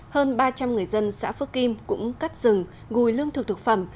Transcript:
hơn ba trăm linh người dân xã phước kim cũng cắt rừng gùi lương thực thực phẩm